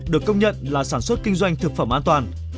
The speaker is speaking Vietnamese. được công nhận là sản xuất kinh doanh thực phẩm an toàn